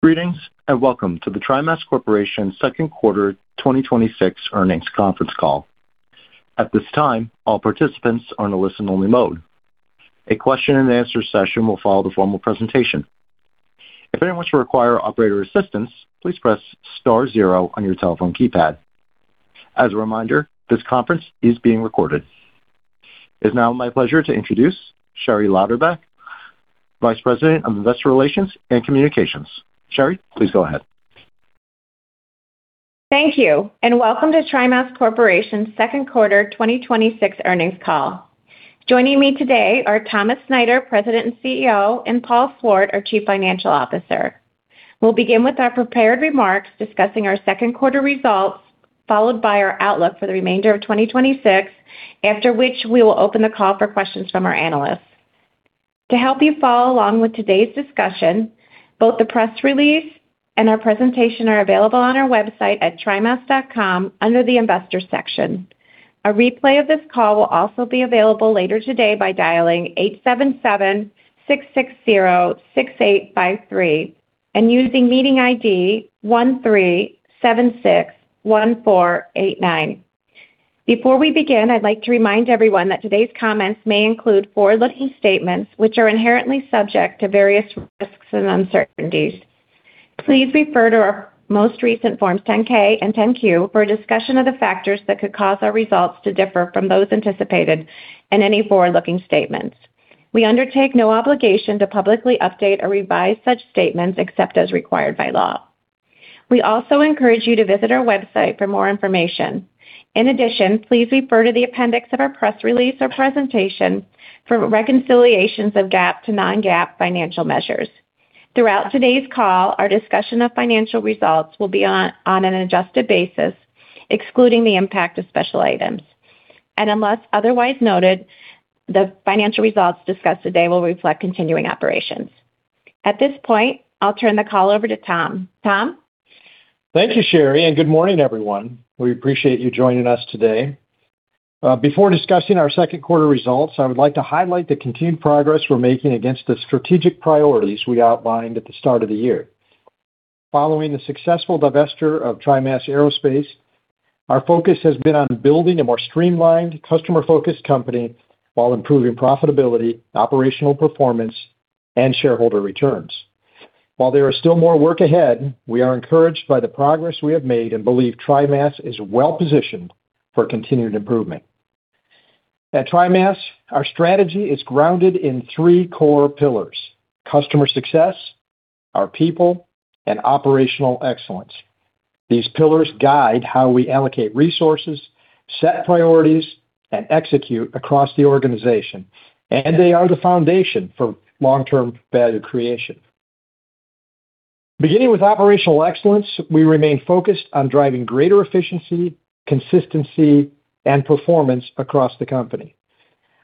Greetings, and welcome to the TriMas Corporation second quarter 2026 earnings conference call. At this time, all participants are in a listen-only mode. A question-and-answer session will follow the formal presentation. If anyone should require operator assistance, please press star zero on your telephone keypad. As a reminder, this conference is being recorded. It's now my pleasure to introduce Sherry Lauderback, Vice President of Investor Relations and Communications. Sherry, please go ahead. Thank you, and welcome to TriMas Corporation's second quarter 2026 earnings call. Joining me today are Thomas Snyder, President and CEO, and Paul Swart, our Chief Financial Officer. We'll begin with our prepared remarks discussing our second quarter results, followed by our outlook for the remainder of 2026, after which we will open the call for questions from our analysts. To help you follow along with today's discussion, both the press release and our presentation are available on our website at trimas.com, under the investor section. A replay of this call will also be available later today by dialing 877, 660, 683, and using meeting ID 13761489. Before we begin, I'd like to remind everyone that today's comments may include forward-looking statements, which are inherently subject to various risks and uncertainties. Please refer to our most recent Forms 10-K and 10-Q for a discussion of the factors that could cause our results to differ from those anticipated and any forward-looking statements. We undertake no obligation to publicly update or revise such statements except as required by law. We also encourage you to visit our website for more information. In addition, please refer to the appendix of our press release or presentation for reconciliations of GAAP to non-GAAP financial measures. Throughout today's call, our discussion of financial results will be on an adjusted basis, excluding the impact of special items. Unless otherwise noted, the financial results discussed today will reflect continuing operations. At this point, I'll turn the call over to Tom. Tom? Thank you, Sherry, and good morning, everyone. We appreciate you joining us today. Before discussing our second quarter results, I would like to highlight the continued progress we're making against the strategic priorities we outlined at the start of the year. Following the successful divesture of TriMas Aerospace, our focus has been on building a more streamlined, customer-focused company while improving profitability, operational performance, and shareholder returns. While there is still more work ahead, we are encouraged by the progress we have made and believe TriMas is well-positioned for continued improvement. At TriMas, our strategy is grounded in three core pillars: customer success, our people, and operational excellence. These pillars guide how we allocate resources, set priorities, and execute across the organization, and they are the foundation for long-term value creation. Beginning with operational excellence, we remain focused on driving greater efficiency, consistency, and performance across the company.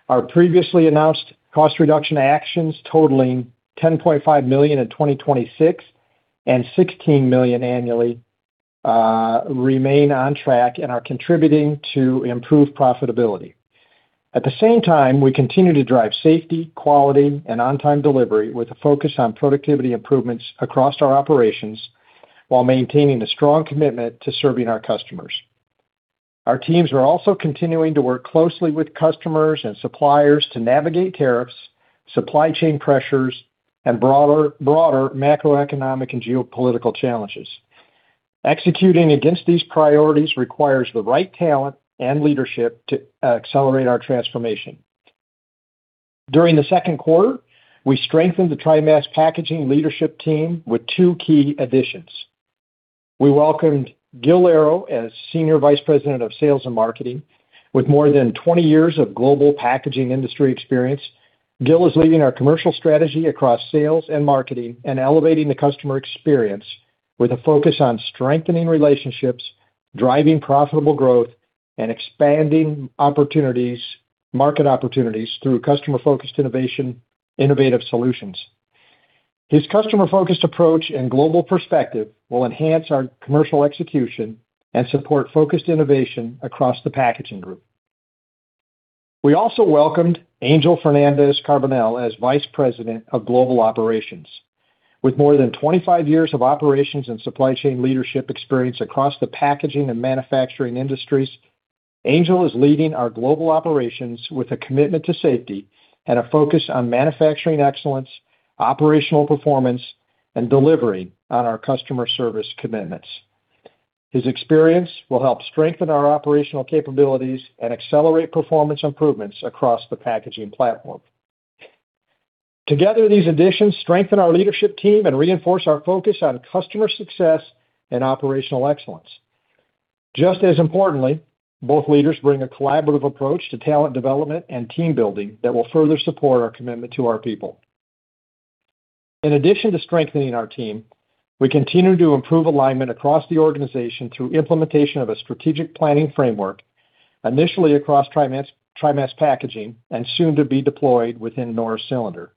Our previously announced cost reduction actions totaling $10.5 million in 2026 and $16 million annually remain on track and are contributing to improved profitability. At the same time, we continue to drive safety, quality, and on-time delivery with a focus on productivity improvements across our operations while maintaining a strong commitment to serving our customers. Our teams are also continuing to work closely with customers and suppliers to navigate tariffs, supply chain pressures, and broader macroeconomic and geopolitical challenges. Executing against these priorities requires the right talent and leadership to accelerate our transformation. During the second quarter, we strengthened the TriMas Packaging leadership team with two key additions. We welcomed Gil Arrow as Senior Vice President of Sales and Marketing. With more than 20 years of global packaging industry experience, Gil is leading our commercial strategy across sales and marketing and elevating the customer experience with a focus on strengthening relationships, driving profitable growth, and expanding opportunities, market opportunities through customer-focused innovation, innovative solutions. His customer-focused approach and global perspective will enhance our commercial execution and support focused innovation across the packaging group. We also welcomed Angel Fernandez Carbonell as Vice President of Global Operations. With more than 25 years of operations and supply chain leadership experience across the packaging and manufacturing industries, Angel is leading our global operations with a commitment to safety and a focus on manufacturing excellence, operational performance, and delivery on our customer service commitments. His experience will help strengthen our operational capabilities and accelerate performance improvements across the packaging platform. Together, these additions strengthen our leadership team and reinforce our focus on customer success and operational excellence. Just as importantly, both leaders bring a collaborative approach to talent development and team building that will further support our commitment to our people. In addition to strengthening our team, we continue to improve alignment across the organization through implementation of a strategic planning framework, initially across TriMas Packaging and soon to be deployed within Norris Cylinder.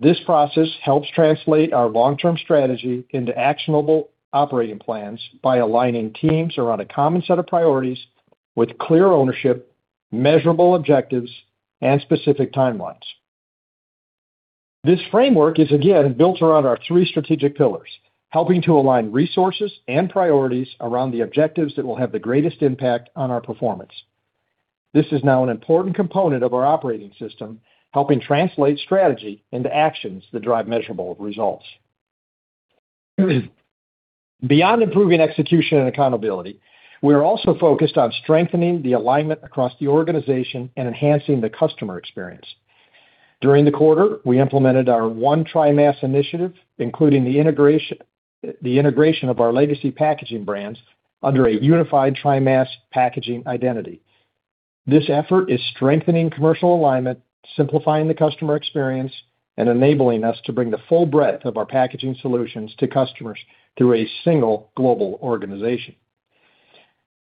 This process helps translate our long-term strategy into actionable operating plans by aligning teams around a common set of priorities with clear ownership, measurable objectives, and specific timelines. This framework is again built around our three strategic pillars, helping to align resources and priorities around the objectives that will have the greatest impact on our performance. This is now an important component of our operating system, helping translate strategy into actions that drive measurable results. Beyond improving execution and accountability, we are also focused on strengthening the alignment across the organization and enhancing the customer experience. During the quarter, we implemented our One TriMas initiative, including the integration of our legacy packaging brands under a unified TriMas Packaging identity. This effort is strengthening commercial alignment, simplifying the customer experience, and enabling us to bring the full breadth of our packaging solutions to customers through a single global organization.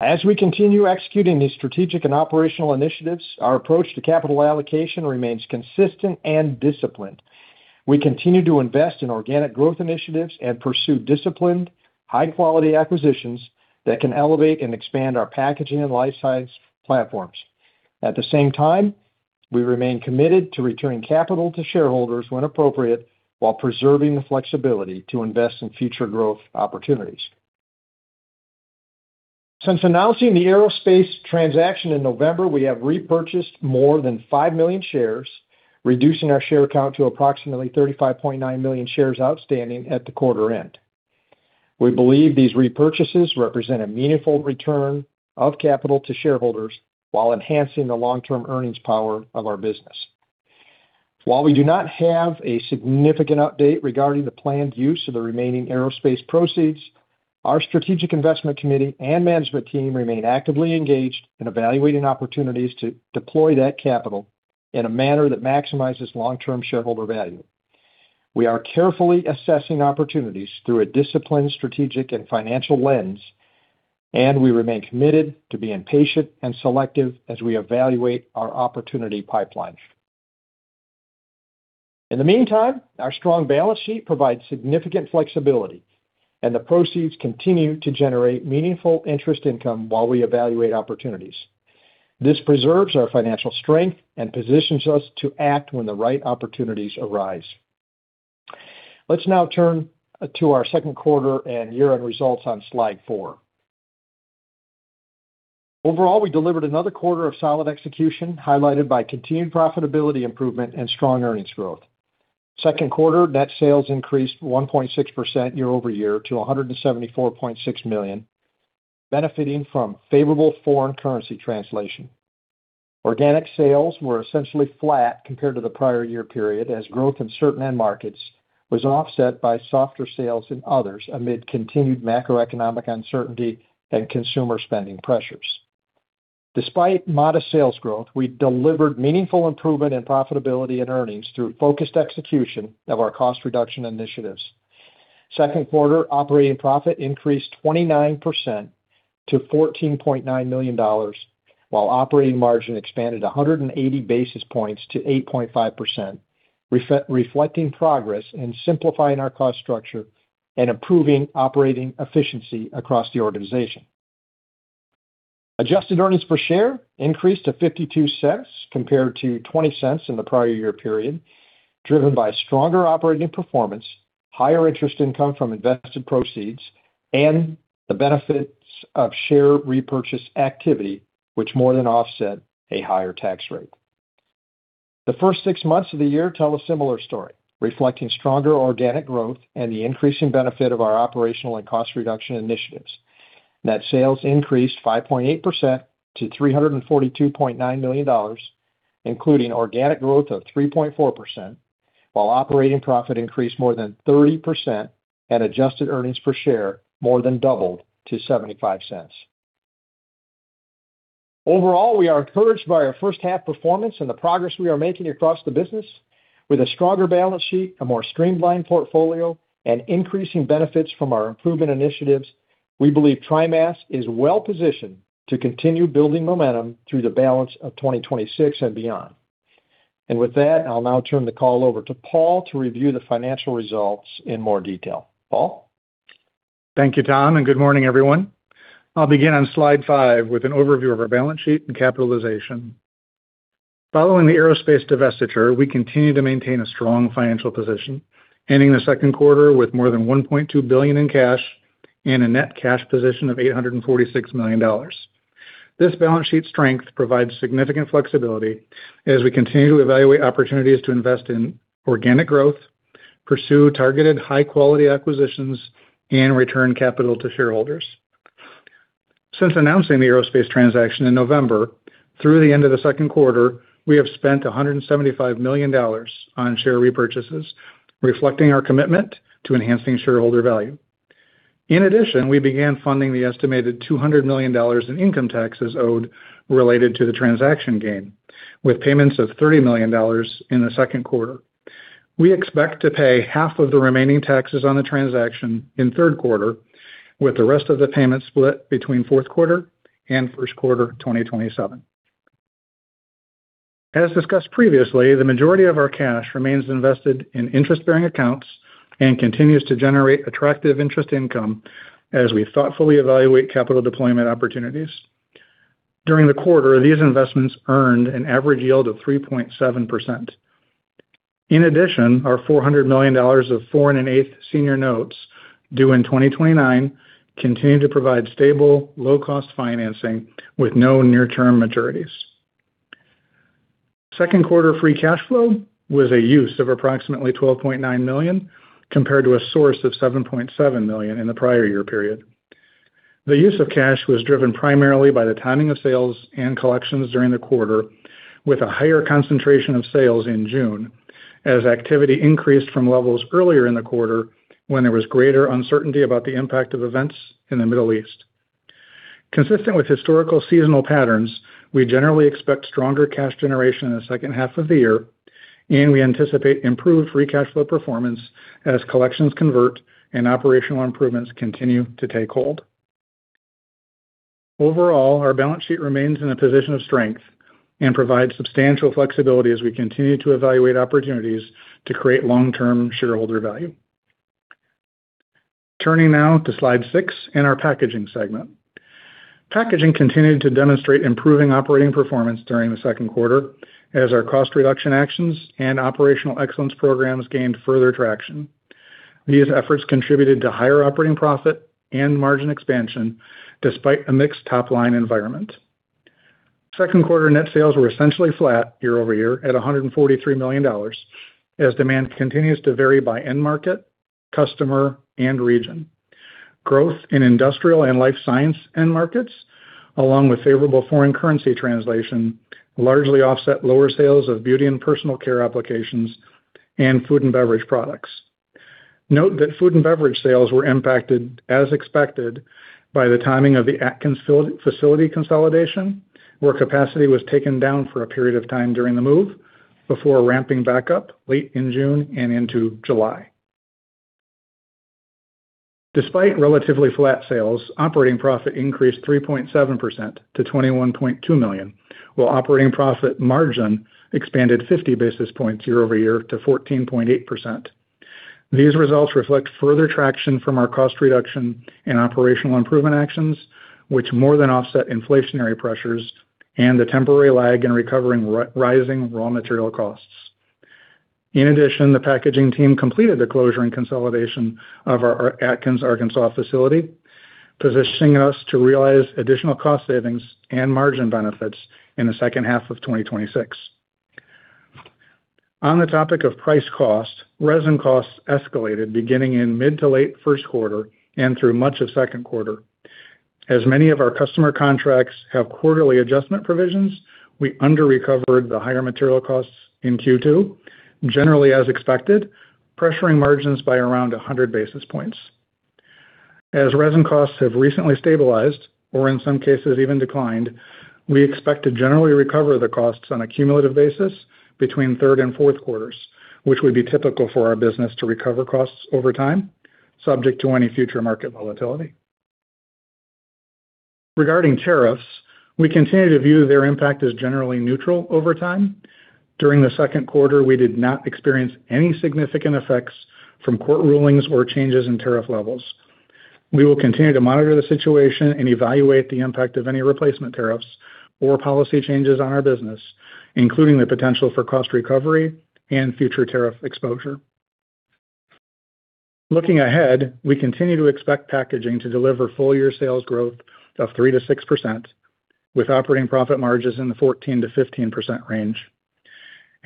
As we continue executing these strategic and operational initiatives, our approach to capital allocation remains consistent and disciplined. We continue to invest in organic growth initiatives and pursue disciplined, high-quality acquisitions that can elevate and expand our Packaging and Life Sciences platforms. At the same time, we remain committed to returning capital to shareholders when appropriate, while preserving the flexibility to invest in future growth opportunities. Since announcing the aerospace transaction in November, we have repurchased more than five million shares, reducing our share count to approximately 35.9 million shares outstanding at the quarter end. We believe these repurchases represent a meaningful return of capital to shareholders while enhancing the long-term earnings power of our business. While we do not have a significant update regarding the planned use of the remaining aerospace proceeds, our Strategic Investment Committee and management team remain actively engaged in evaluating opportunities to deploy that capital in a manner that maximizes long-term shareholder value. We are carefully assessing opportunities through a disciplined, strategic, and financial lens. We remain committed to being patient and selective as we evaluate our opportunity pipeline. In the meantime, our strong balance sheet provides significant flexibility, and the proceeds continue to generate meaningful interest income while we evaluate opportunities. This preserves our financial strength and positions us to act when the right opportunities arise. Let's now turn to our second quarter and year-end results on slide four. Overall, we delivered another quarter of solid execution, highlighted by continued profitability improvement, and strong earnings growth. Second quarter net sales increased 1.6% year-over-year to $174.6 million, benefiting from favorable foreign currency translation. Organic sales were essentially flat compared to the prior year period, as growth in certain end markets was offset by softer sales in others, amid continued macroeconomic uncertainty and consumer spending pressures. Despite modest sales growth, we delivered meaningful improvement in profitability and earnings through focused execution of our cost reduction initiatives. Second quarter operating profit increased 29% to $14.9 million, while operating margin expanded 180 basis points to 8.5%, reflecting progress in simplifying our cost structure and improving operating efficiency across the organization. Adjusted earnings per share increased to $0.52 compared to $0.20 in the prior year period, driven by stronger operating performance, higher interest income from invested proceeds, and the benefits of share repurchase activity, which more than offset a higher tax rate. The first six months of the year tell a similar story, reflecting stronger organic growth and the increasing benefit of our operational and cost reduction initiatives. Net sales increased 5.8% to $342.9 million, including organic growth of 3.4%, while operating profit increased more than 30% and adjusted earnings per share more than doubled to $0.75. Overall, we are encouraged by our first half performance and the progress we are making across the business. With a stronger balance sheet, a more streamlined portfolio, and increasing benefits from our improvement initiatives, we believe TriMas is well-positioned to continue building momentum through the balance of 2026 and beyond. With that, I'll now turn the call over to Paul to review the financial results in more detail. Paul? Thank you, Tom, and good morning, everyone. I'll begin on slide five with an overview of our balance sheet and capitalization. Following the aerospace divestiture, we continue to maintain a strong financial position, ending the second quarter with more than $1.2 billion in cash and a net cash position of $846 million. This balance sheet strength provides significant flexibility as we continue to evaluate opportunities to invest in organic growth, pursue targeted high-quality acquisitions, and return capital to shareholders. Since announcing the aerospace transaction in November, through the end of the second quarter, we have spent $175 million on share repurchases, reflecting our commitment to enhancing shareholder value. In addition, we began funding the estimated $200 million in income taxes owed related to the transaction gain, with payments of $30 million in the second quarter. We expect to pay half of the remaining taxes on the transaction in the third quarter, with the rest of the payment split between the fourth quarter and first quarter 2027. As discussed previously, the majority of our cash remains invested in interest-bearing accounts and continues to generate attractive interest income as we thoughtfully evaluate capital deployment opportunities. During the quarter, these investments earned an average yield of 3.7%. In addition, our $400 million of 4.125% senior notes due in 2029, continue to provide stable, low-cost financing with no near-term maturities. Second quarter free cash flow was a use of approximately $12.9 million, compared to a source of $7.7 million in the prior year period. The use of cash was driven primarily by the timing of sales and collections during the quarter, with a higher concentration of sales in June as activity increased from levels earlier in the quarter when there was greater uncertainty about the impact of events in the Middle East. Consistent with historical seasonal patterns, we generally expect stronger cash generation in the second half of the year, and we anticipate improved free cash flow performance as collections convert and operational improvements continue to take hold. Overall, our balance sheet remains in a position of strength and provides substantial flexibility as we continue to evaluate opportunities to create long-term shareholder value. Turning now to slide six in our Packaging segment. Packaging continued to demonstrate improving operating performance during the second quarter as our cost reduction actions and operational excellence programs gained further traction. These efforts contributed to higher operating profit and margin expansion, despite a mixed top-line environment. Second quarter net sales were essentially flat year-over-year at $143 million as demand continues to vary by end market, customer, and region. Growth in industrial and life science end markets, along with favorable foreign currency translation, largely offset lower sales of beauty and personal care applications and food and beverage products. Note that food and beverage sales were impacted as expected by the timing of the Atkins facility consolidation, where capacity was taken down for a period of time during the move before ramping back up late in June and into July. Despite relatively flat sales, operating profit increased 3.7% to $21.2 million, while operating profit margin expanded 50 basis points year-over-year to 14.8%. These results reflect further traction from our cost reduction and operational improvement actions, which more than offset inflationary pressures and the temporary lag in recovering rising raw material costs. In addition, the Packaging team completed the closure and consolidation of our Atkins, Arkansas facility, positioning us to realize additional cost savings and margin benefits in the second half of 2026. On the topic of price cost, resin costs escalated beginning in mid to late first quarter and through much of second quarter. As many of our customer contracts have quarterly adjustment provisions, we under-recovered the higher material costs in Q2, generally as expected, pressuring margins by around 100 basis points. Resin costs have recently stabilized or in some cases even declined, we expect to generally recover the costs on a cumulative basis between third and fourth quarters, which would be typical for our business to recover costs over time, subject to any future market volatility. Regarding tariffs, we continue to view their impact as generally neutral over time. During the second quarter, we did not experience any significant effects from court rulings or changes in tariff levels. We will continue to monitor the situation and evaluate the impact of any replacement tariffs or policy changes on our business, including the potential for cost recovery and future tariff exposure. Looking ahead, we continue to expect Packaging to deliver full year sales growth of 3%-6% with operating profit margins in the 14%-15% range.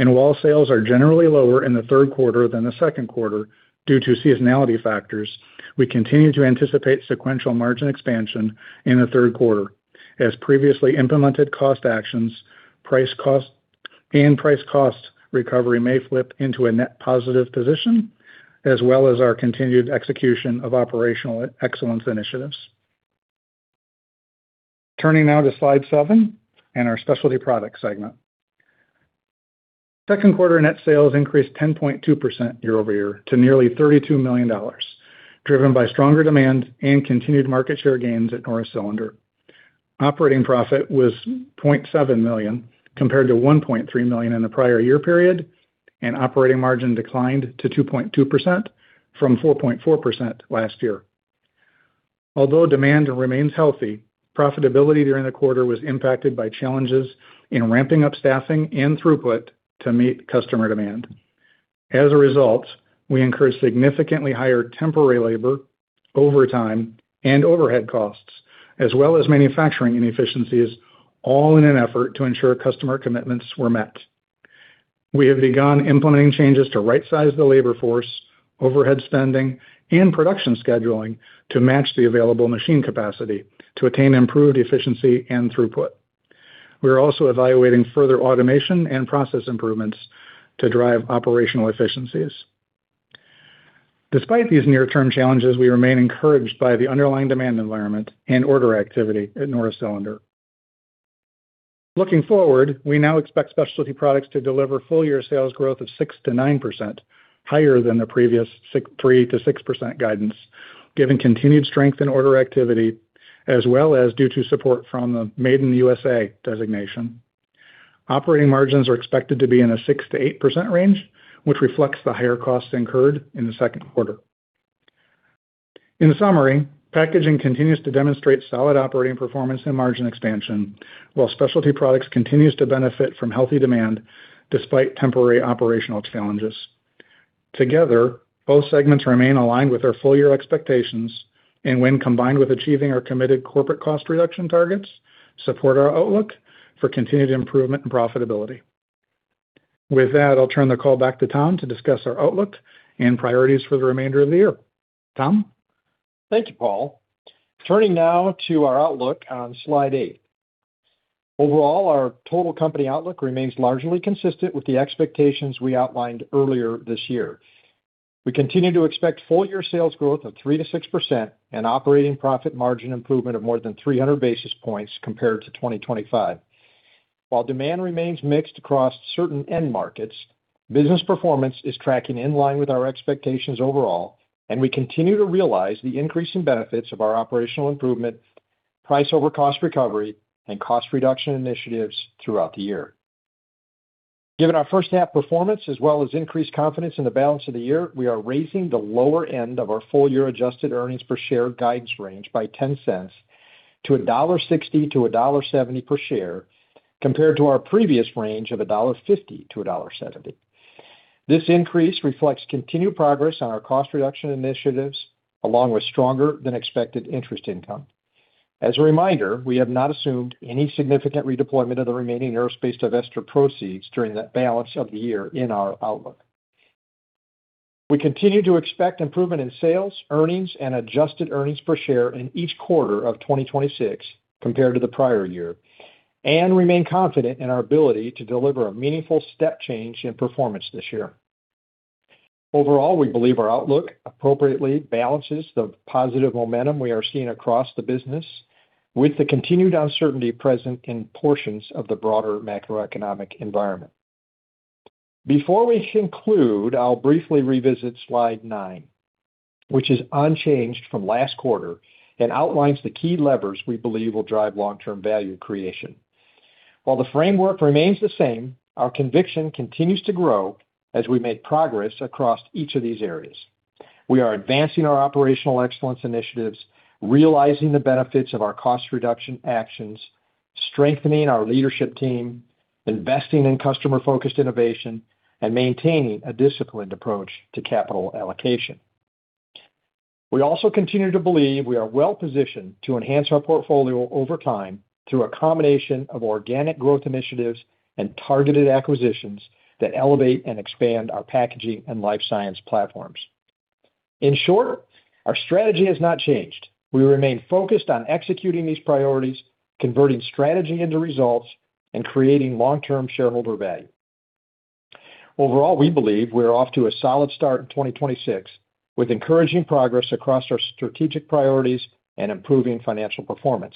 While sales are generally lower in the third quarter than the second quarter due to seasonality factors, we continue to anticipate sequential margin expansion in the third quarter as previously implemented cost actions, and price cost recovery may flip into a net positive position, as well as our continued execution of operational excellence initiatives. Turning now to slide seven and our Specialty Products segment. Second quarter net sales increased 10.2% year-over-year to nearly $32 million, driven by stronger demand and continued market share gains at Norris Cylinder. Operating profit was $0.7 million, compared to $1.3 million in the prior year period, and operating margin declined to 2.2% from 4.4% last year. Although demand remains healthy, profitability during the quarter was impacted by challenges in ramping up staffing and throughput to meet customer demand. As a result, we incurred significantly higher temporary labor, overtime, and overhead costs, as well as manufacturing inefficiencies, all in an effort to ensure customer commitments were met. We have begun implementing changes to rightsize the labor force, overhead spending, and production scheduling to match the available machine capacity to attain improved efficiency and throughput. We are also evaluating further automation and process improvements to drive operational efficiencies. Despite these near-term challenges, we remain encouraged by the underlying demand environment and order activity at Norris Cylinder. Looking forward, we now expect Specialty Products to deliver full year sales growth of 6%-9% higher than the previous 3%-6% guidance Given continued strength in order activity, as well as due to support from the Made in the USA designation. Operating margins are expected to be in a 6%-8% range, which reflects the higher costs incurred in the second quarter. In summary, Packaging continues to demonstrate solid operating performance and margin expansion, while Specialty Products continues to benefit from healthy demand despite temporary operational challenges. Together, both segments remain aligned with our full-year expectations and when combined with achieving our committed corporate cost reduction targets, support our outlook for continued improvement and profitability. With that, I'll turn the call back to Tom to discuss our outlook and priorities for the remainder of the year. Tom? Thank you, Paul. Turning now to our outlook on slide eight. Overall, our total company outlook remains largely consistent with the expectations we outlined earlier this year. We continue to expect full-year sales growth of 3%-6% and operating profit margin improvement of more than 300 basis points compared to 2025. While demand remains mixed across certain end markets, business performance is tracking in line with our expectations overall, and we continue to realize the increasing benefits of our operational improvement, price over cost recovery, and cost reduction initiatives throughout the year. Given our first half performance as well as increased confidence in the balance of the year, we are raising the lower end of our full-year adjusted earnings per share guidance range by $0.10 to $1.60-$1.70 per share, compared to our previous range of $1.50-$1.70. This increase reflects continued progress on our cost reduction initiatives, along with stronger than expected interest income. As a reminder, we have not assumed any significant redeployment of the remaining aerospace divestiture proceeds during the balance of the year in our outlook. We continue to expect improvement in sales, earnings, and adjusted earnings per share in each quarter of 2026 compared to the prior year and remain confident in our ability to deliver a meaningful step change in performance this year. Overall, we believe our outlook appropriately balances the positive momentum we are seeing across the business with the continued uncertainty present in portions of the broader macroeconomic environment. Before we conclude, I'll briefly revisit slide nine, which is unchanged from last quarter and outlines the key levers we believe will drive long-term value creation. While the framework remains the same, our conviction continues to grow as we make progress across each of these areas. We are advancing our operational excellence initiatives, realizing the benefits of our cost reduction actions, strengthening our leadership team, investing in customer-focused innovation, and maintaining a disciplined approach to capital allocation. We also continue to believe we are well-positioned to enhance our portfolio over time through a combination of organic growth initiatives and targeted acquisitions that elevate and expand our Packaging and Life Sciences platforms. In short, our strategy has not changed. We remain focused on executing these priorities, converting strategy into results, and creating long-term shareholder value. Overall, we believe we are off to a solid start in 2026 with encouraging progress across our strategic priorities and improving financial performance.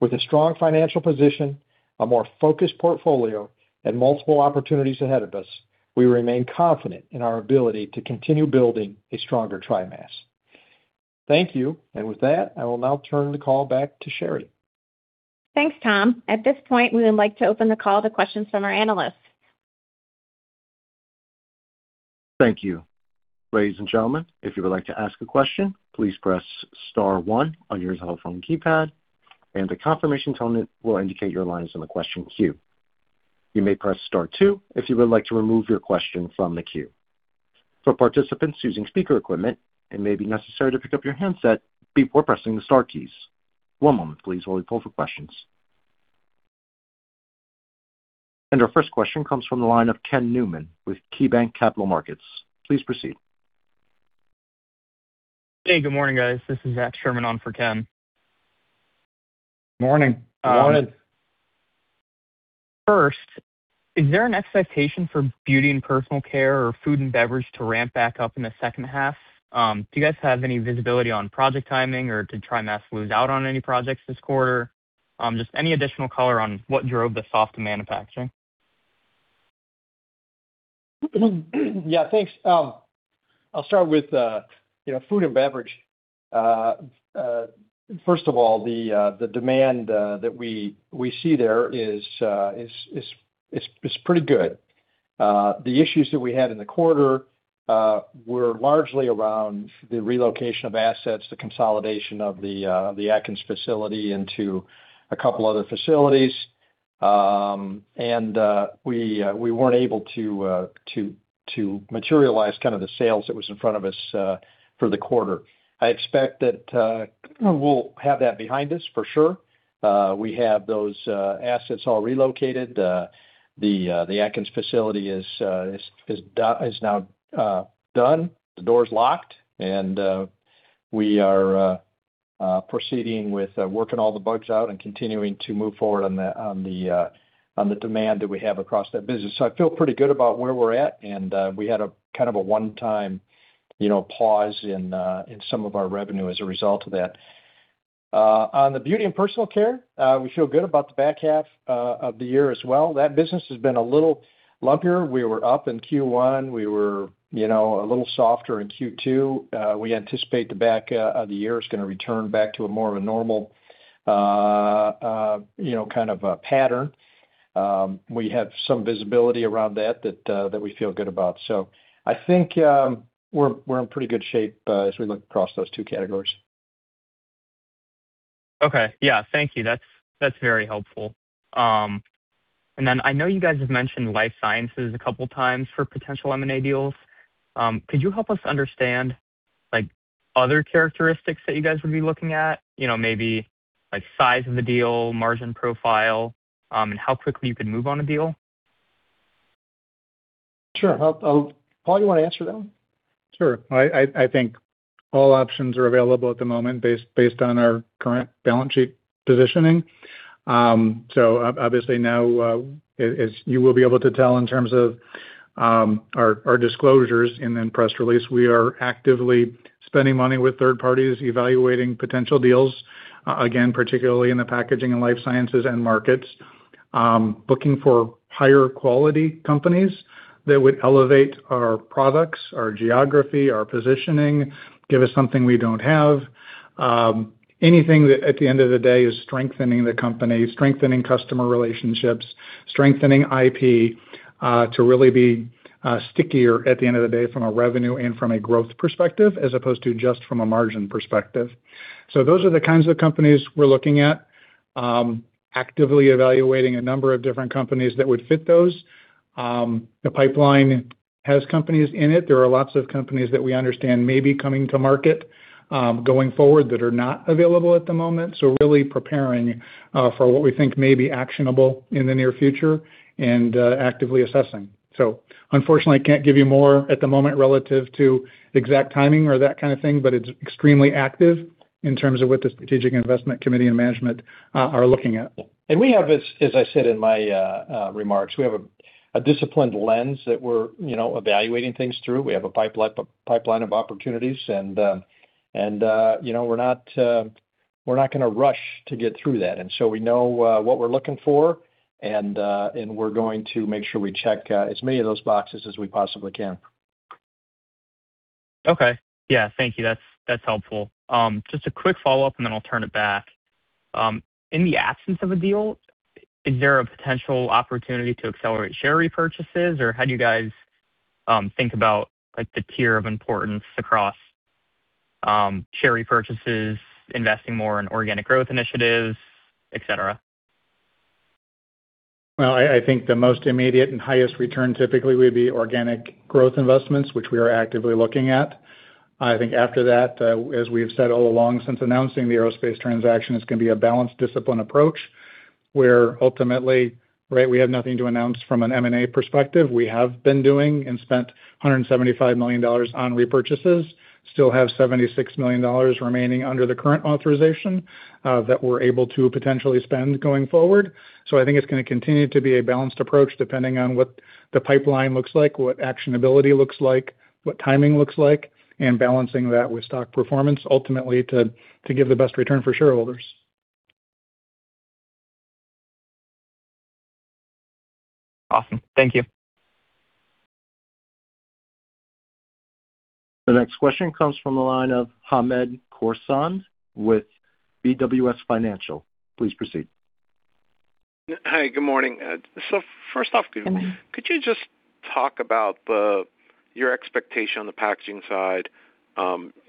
With a strong financial position, a more focused portfolio, and multiple opportunities ahead of us, we remain confident in our ability to continue building a stronger TriMas. Thank you. With that, I will now turn the call back to Sherry. Thanks, Tom. At this point, we would like to open the call to questions from our analysts. Thank you. Ladies and gentlemen, if you would like to ask a question, please press star one on your telephone keypad, and a confirmation tone will indicate your line is in the question queue. You may press star two if you would like to remove your question from the queue. For participants using speaker equipment, it may be necessary to pick up your handset before pressing the star keys. One moment please while we pull for questions. Our first question comes from the line of Ken Newman with KeyBanc Capital Markets. Please proceed. Hey, good morning, guys. This is Zach Sherman on for Ken. Morning. Morning. First, is there an expectation for beauty and personal care or food and beverage to ramp back up in the second half? Do you guys have any visibility on project timing, or did TriMas lose out on any projects this quarter? Just any additional color on what drove the soft manufacturing. Yeah, thanks. I'll start with food and beverage. First of all, the demand that we see there is pretty good. The issues that we had in the quarter were largely around the relocation of assets, the consolidation of the Atkins facility into a couple other facilities. We weren't able to materialize the sales that was in front of us for the quarter. I expect that we'll have that behind us for sure. We have those assets all relocated. The Atkins facility is now done. The door is locked, and we are proceeding with working all the bugs out and continuing to move forward on the demand that we have across that business. I feel pretty good about where we're at, and we had a one-time pause in some of our revenue as a result of that. On the beauty and personal care, we feel good about the back half of the year as well. That business has been a little lumpier. We were up in Q1. We were a little softer in Q2. We anticipate the back of the year is going to return back to a more of a normal kind of pattern. We have some visibility around that we feel good about. I think we're in pretty good shape as we look across those two categories. Okay. Yeah. Thank you. That's very helpful. I know you guys have mentioned Life Sciences a couple times for potential M&A deals. Could you help us understand other characteristics that you guys would be looking at? Maybe size of the deal, margin profile, and how quickly you can move on a deal? Sure. Paul, you want to answer that one? Sure. I think all options are available at the moment based on our current balance sheet positioning. Obviously now, as you will be able to tell in terms of our disclosures in the press release, we are actively spending money with third parties, evaluating potential deals, again, particularly in the Packaging and Life sciences end markets. Looking for higher quality companies that would elevate our products, our geography, our positioning, give us something we don't have. Anything that at the end of the day is strengthening the company, strengthening customer relationships, strengthening IP, to really be stickier at the end of the day from a revenue and from a growth perspective, as opposed to just from a margin perspective. Those are the kinds of companies we're looking at. Actively evaluating a number of different companies that would fit those. The pipeline has companies in it. There are lots of companies that we understand may be coming to market going forward that are not available at the moment. Really preparing for what we think may be actionable in the near future and actively assessing. Unfortunately, I can't give you more at the moment relative to exact timing or that kind of thing, but it's extremely active in terms of what the Strategic Investment Committee and management are looking at. We have, as I said in my remarks, we have a disciplined lens that we're evaluating things through. We have a pipeline of opportunities and we're not going to rush to get through that. We know what we're looking for, and we're going to make sure we check as many of those boxes as we possibly can. Okay. Yeah. Thank you. That's helpful. Just a quick follow-up. Then I'll turn it back. In the absence of a deal, is there a potential opportunity to accelerate share repurchases? How do you guys think about the tier of importance across share repurchases, investing more in organic growth initiatives, et cetera? Well, I think the most immediate and highest return typically would be organic growth investments, which we are actively looking at. I think after that, as we've said all along since announcing the Aerospace transaction, it's going to be a balanced discipline approach, where ultimately, we have nothing to announce from an M&A perspective. We have been doing and spent $175 million on repurchases. Still have $76 million remaining under the current authorization that we're able to potentially spend going forward. I think it's going to continue to be a balanced approach depending on what the pipeline looks like, what actionability looks like, what timing looks like, and balancing that with stock performance ultimately to give the best return for shareholders. Awesome. Thank you. The next question comes from the line of Hamed Khorsand with BWS Financial. Please proceed. Hi, good morning. First off, could you just talk about your expectation on the Packaging side,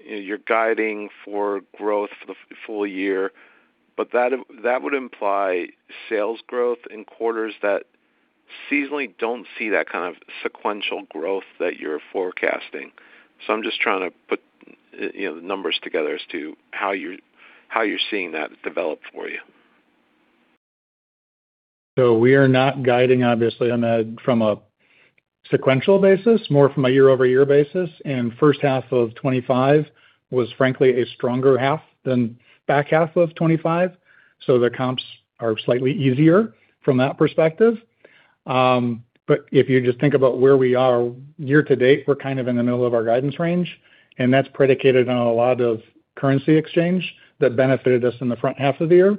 you're guiding for growth for the full year, but that would imply sales growth in quarters that seasonally don't see that kind of sequential growth that you're forecasting. I'm just trying to put the numbers together as to how you're seeing that develop for you. We are not guiding, obviously on a, from a sequential basis, more from a year-over-year basis, first half of 2025 was frankly a stronger half than back half of 2025. The comps are slightly easier from that perspective. If you just think about where we are year to date, we're kind of in the middle of our guidance range, that's predicated on a lot of currency exchange that benefited us in the front half of the year.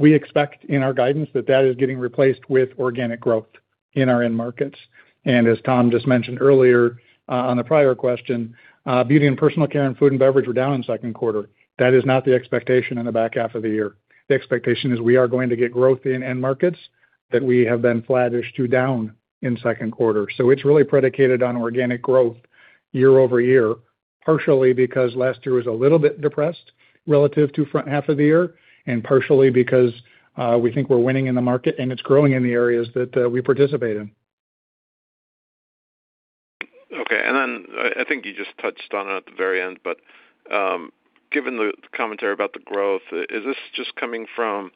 We expect in our guidance that that is getting replaced with organic growth in our end markets. As Tom just mentioned earlier on the prior question, beauty and personal care and food and beverage were down in second quarter. That is not the expectation in the back half of the year. The expectation is we are going to get growth in end markets that we have been flattish to down in second quarter. It's really predicated on organic growth year-over-year, partially because last year was a little bit depressed relative to front half of the year, partially because we think we're winning in the market and it's growing in the areas that we participate in. Okay. I think you just touched on it at the very end, given the commentary about the growth, is this just coming from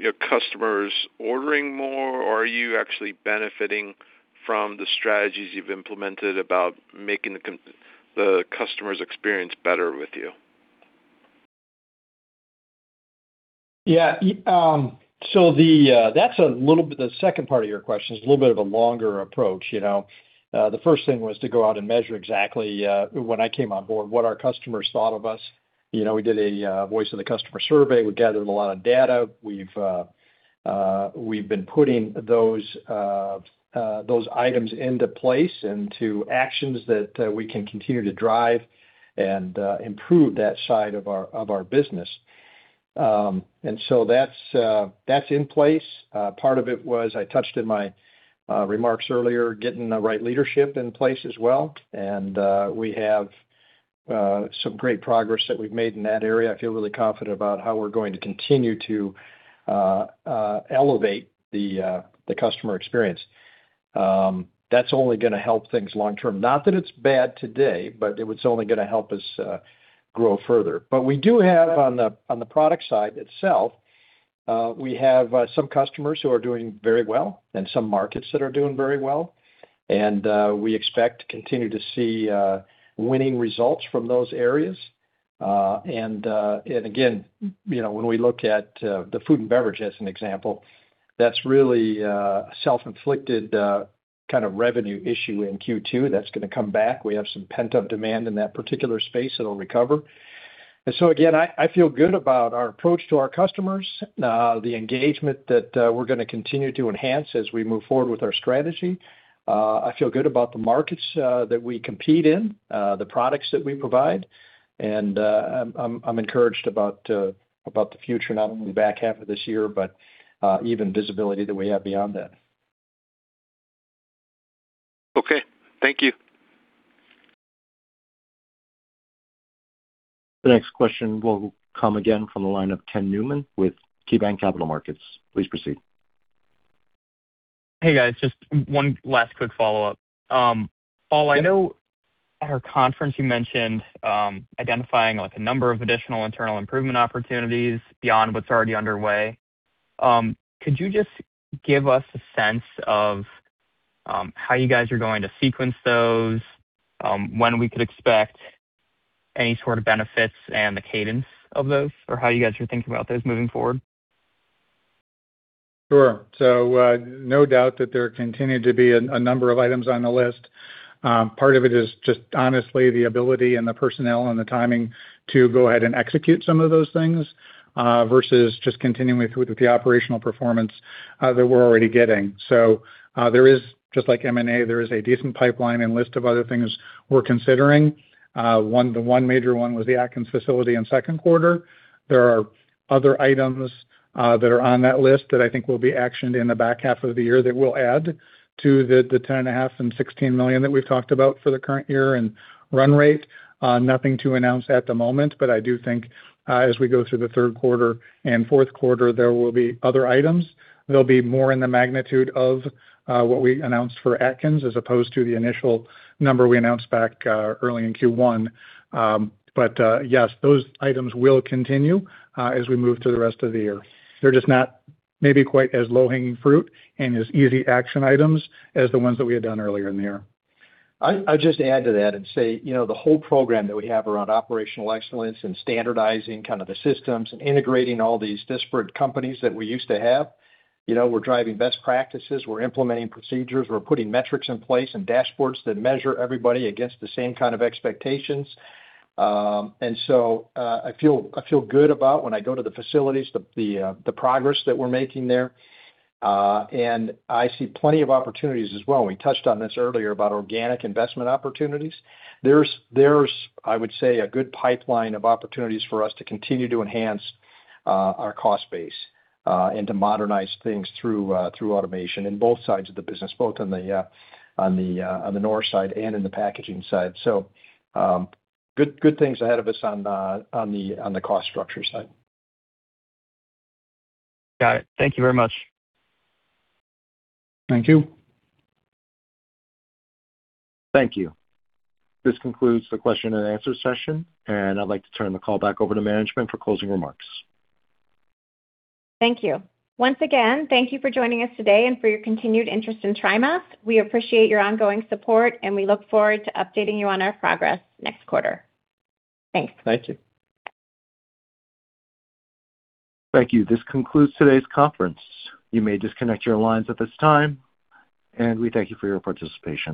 your customers ordering more, or are you actually benefiting from the strategies you've implemented about making the customer's experience better with you? Yeah. That's a little bit, the second part of your question is a little bit of a longer approach. The first thing was to go out and measure exactly, when I came on board, what our customers thought of us. We did a voice of the customer survey. We gathered a lot of data. We've been putting those items into place into actions that we can continue to drive and improve that side of our business. That's in place. Part of it was, I touched in my remarks earlier, getting the right leadership in place as well, and we have some great progress that we've made in that area. I feel really confident about how we're going to continue to elevate the customer experience. That's only going to help things long-term. Not that it's bad today, but it's only going to help us grow further. We do have, on the product side itself, we have some customers who are doing very well and some markets that are doing very well. We expect to continue to see winning results from those areas. Again, when we look at the food and beverage as an example, that's really a self-inflicted kind of revenue issue in Q2 that's going to come back. We have some pent-up demand in that particular space that'll recover. Again, I feel good about our approach to our customers, the engagement that we're going to continue to enhance as we move forward with our strategy. I feel good about the markets that we compete in, the products that we provide, and I'm encouraged about the future, not only the back half of this year, but even visibility that we have beyond that. Okay. Thank you. The next question will come again from the line of Ken Newman with KeyBanc Capital Markets. Please proceed. Hey, guys, just one last quick follow-up. Paul, I know at our conference you mentioned identifying a number of additional internal improvement opportunities beyond what's already underway. Could you just give us a sense of how you guys are going to sequence those, when we could expect any sort of benefits and the cadence of those, or how you guys are thinking about those moving forward? Sure. No doubt that there continue to be a number of items on the list. Part of it is just honestly the ability and the personnel and the timing to go ahead and execute some of those things, versus just continuing with the operational performance that we're already getting. There is, just like M&A, there is a decent pipeline and list of other things we're considering. The one major one was the Atkins facility in second quarter. There are other items that are on that list that I think will be actioned in the back half of the year that will add to the $10.5 million and $16 million that we've talked about for the current year and run rate. Nothing to announce at the moment. I do think as we go through the third quarter and fourth quarter, there will be other items. There'll be more in the magnitude of what we announced for Atkins, as opposed to the initial number we announced back early in Q1. Yes, those items will continue as we move through the rest of the year. They're just not maybe quite as low-hanging fruit and as easy action items as the ones that we had done earlier in the year. I'll just add to that and say, the whole program that we have around operational excellence and standardizing kind of the systems and integrating all these disparate companies that we used to have, we're driving best practices, we're implementing procedures, we're putting metrics in place and dashboards that measure everybody against the same kind of expectations. I feel good about when I go to the facilities, the progress that we're making there. I see plenty of opportunities as well, and we touched on this earlier about organic investment opportunities. There's, I would say, a good pipeline of opportunities for us to continue to enhance our cost base, and to modernize things through automation in both sides of the business, both on the Norris side and in the Packaging side. Good things ahead of us on the cost structure side. Got it. Thank you very much. Thank you. Thank you. This concludes the question-and-answer session, and I'd like to turn the call back over to management for closing remarks. Thank you. Once again, thank you for joining us today and for your continued interest in TriMas. We appreciate your ongoing support, and we look forward to updating you on our progress next quarter. Thanks. Thank you. Thank you. This concludes today's conference. You may disconnect your lines at this time, and we thank you for your participation.